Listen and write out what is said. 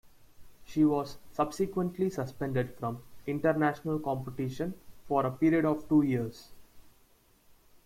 She was subsequently suspended from international competition for a period of two years.